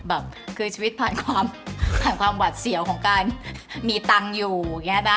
แบบคือชีวิตผ่านความผ่านความหวัดเสี่ยวของการมีตังค์อยู่อย่างนี้ป่ะ